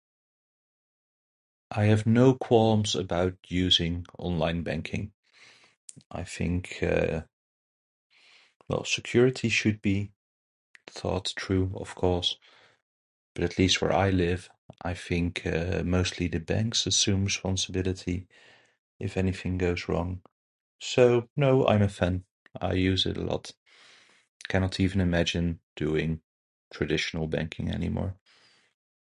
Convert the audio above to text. I have no qualms about using online banking. I think, uh, well, security should be thought through, of course. But at least where I live, I think, uh, mostly the banks assume responsibility if anything goes wrong. So, no, I'm a fan. I use it a lot. Cannot even imagine doing traditional banking anymore.